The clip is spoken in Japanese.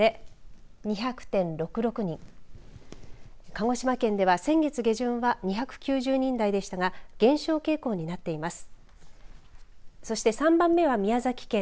鹿児島県では先月下旬は２９０人台でしたが減少傾向になっています。